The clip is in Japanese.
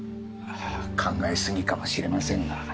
考えすぎかもしれませんが。